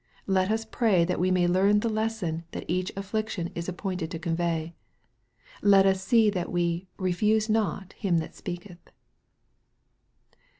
Let us pray that we may learn the les son that each affliction is appointed to convey. Let us see that we " refuse not Him that speaketh."